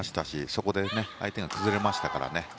そこで相手が崩れましたからね。